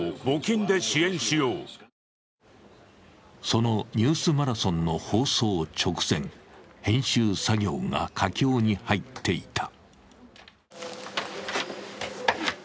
その「ニュースマラソン」の放送直前、編集作業が佳境に入っていた。